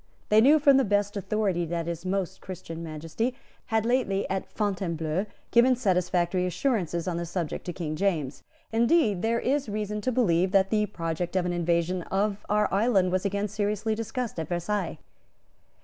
They knew from the best authority that His Most Christian Majesty had lately, at Fontainebleau, given satisfactory assurances on this subject to King James. Indeed, there is reason to believe that the project of an invasion of our island was again seriously discussed at Versailles.